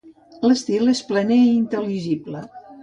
L'estil és planer i intel·ligible.